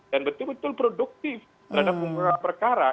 dan betul betul produktif terhadap penggabungan perkara